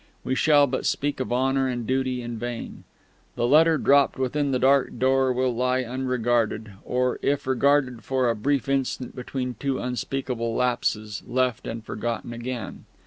We shall but speak of honour and duty in vain. The letter dropped within the dark door will lie unregarded, or, if regarded for a brief instant between two unspeakable lapses, left and forgotten again.